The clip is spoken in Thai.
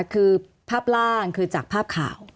คือภาพร่างคือจากภาพข่าว